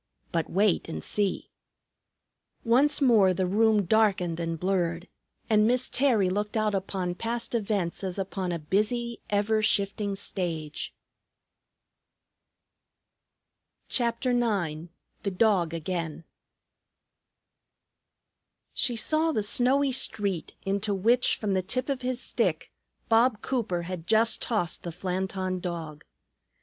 But wait and see." Once more the room darkened and blurred, and Miss Terry looked out upon past events as upon a busy, ever shifting stage. CHAPTER IX THE DOG AGAIN She saw the snowy street, into which, from the tip of his stick, Bob Cooper had just tossed the Flanton Dog.